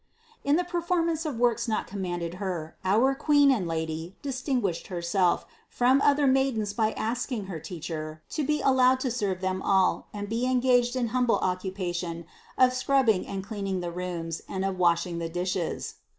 472. In the performance of works not commanded Her our Queen and Lady distinguished Herself from other maidens by asking her teacher to be allowed to serve them all and be engaged in the humble occupation of scrubbing and cleaning the rooms and of washing the dishes.